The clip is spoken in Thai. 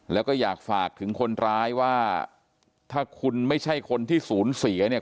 แล้วก็อยากฝากถึงคนร้ายว่าถ้าคุณไม่ใช่คนที่ศูนย์เสียเนี่ย